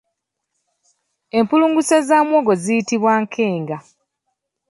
Empulunguse za muwogo ziyitibwa enkenga.